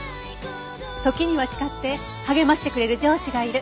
時には叱って励ましてくれる上司がいる。